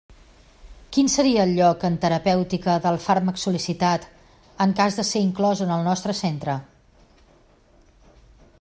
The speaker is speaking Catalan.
Quin seria el lloc en terapèutica del fàrmac sol·licitat, en cas de ser inclòs en el nostre centre?